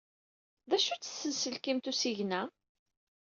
D acu-tt tsenselkimt n usigna?